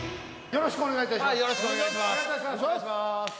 よろしくお願いします